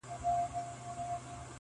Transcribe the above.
څوک په پردیو نه وي ښاغلي -